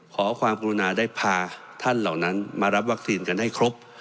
ขอความกรุณาได้พาท่านเหล่านั้นมารับวัคซีนกันให้ครบ